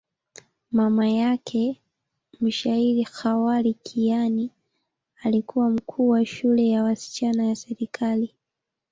Mama yake, mshairi Khawar Kiani, alikuwa mkuu wa shule ya wasichana ya serikali.